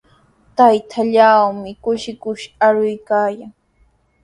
Trakrallaatraw kushi kushi arukuykaa.